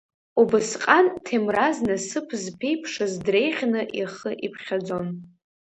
Убысҟан Ҭемраз насыԥ зԥеиԥшыз дреиӷьны ихы иԥхьаӡон.